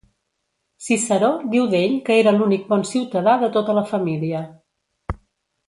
Ciceró diu d'ell que era l'únic bon ciutadà de tota la família.